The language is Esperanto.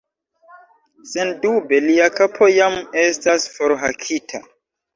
Sendube, lia kapo jam estas forhakita.